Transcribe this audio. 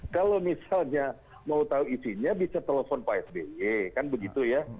kalau misalnya mau tahu isinya bisa telepon pak sby kan begitu ya